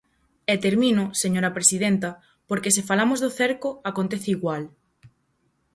E termino, señora presidenta, porque se falamos do cerco, acontece igual.